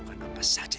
kamu gimana sih